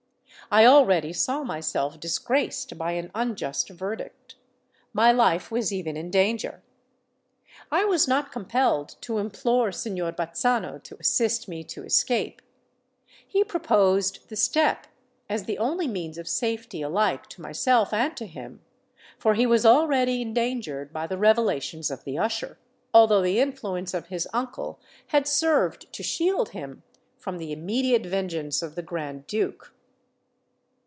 I already saw myself disgraced by an unjust verdict:—my life was even in danger. I was not compelled to implore Signor Bazzano to assist me to escape: he proposed the step as the only means of safety alike to myself and to him—for he was already endangered by the revelations of the usher, although the influence of his uncle had served to shield him from the immediate vengeance of the Grand Duke.